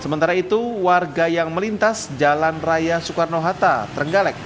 sementara itu warga yang melintas jalan raya soekarno hatta trenggalek